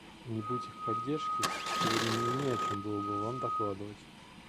Не будь их поддержки, сегодня мне не о чем было бы вам докладывать.